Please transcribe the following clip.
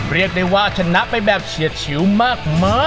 เรียกได้ว่าชนะไปแบบเฉียดชิวมาก